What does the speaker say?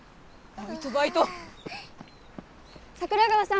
桜川さん。